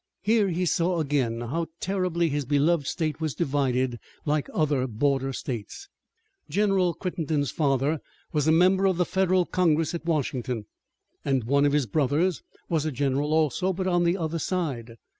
Here he saw again how terribly his beloved state was divided, like other border states. General Crittenden's father was a member of the Federal Congress at Washington, and one of his brothers was a general also, but on the other side.